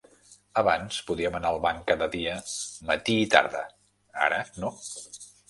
Abans podíem anar al banc cada dia matí i tarda; ara no.